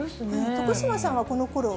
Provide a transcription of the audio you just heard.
徳島さんはこのころは？